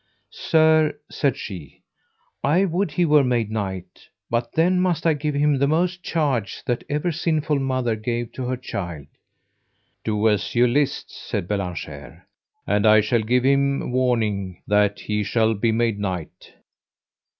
Sir, said she, I would he were made knight; but then must I give him the most charge that ever sinful mother gave to her child. Do as ye list, said Bellangere, and I shall give him warning that he shall be made knight.